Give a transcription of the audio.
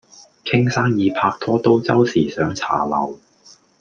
傾生意拍拖都周時上茶樓